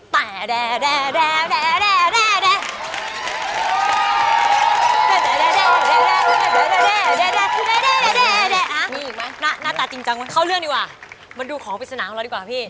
มีอีกไหมน่าตาจริงจังไว้เข้าเรื่องดีกว่ามันดูของปริศนาของเราดีกว่าพี่